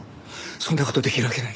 そんな事できるわけない。